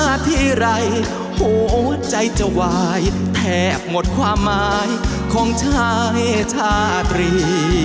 ฮ่าเรียกลุงเรียกอทิไร้หัวใจจะไหวแทบหมดความหมายของชายชาตรี